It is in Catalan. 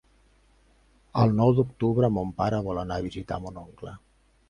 El nou d'octubre mon pare vol anar a visitar mon oncle.